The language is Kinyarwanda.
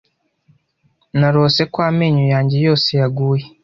Narose ko amenyo yanjye yose yaguye.